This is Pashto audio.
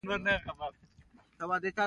د پارلمان غړي یې بیا راوغوښتل.